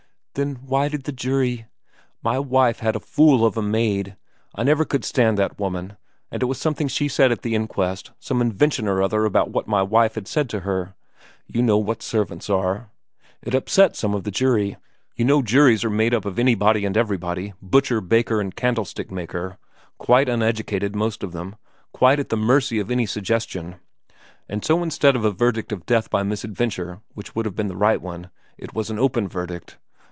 ' Then why did the jury '' My wife had a fool of a maid I never could stand that woman and it was something she said at the inquest, some invention or other about what my wife had said to her. You know what servants are. It upset some of the jury. You know juries are made up of anybody and everybody butcher, baker, and candle stick maker quite uneducated most of them, quite at the mercy of any suggestion. And so instead of a verdict of death by misadventure, which would have been the right one, it was an open verdict.'